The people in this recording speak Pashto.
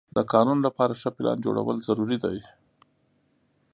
د کارونو لپاره ښه پلان جوړول ضروري دي.